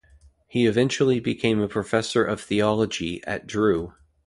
He eventually became a professor of theology at Drew.